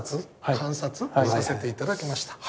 観察？させて頂きました。